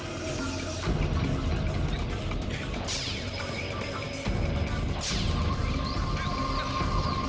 tapihere semua sekarang